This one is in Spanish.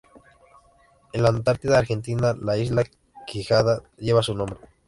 En la Antártida Argentina, la isla Quijada lleva su nombre.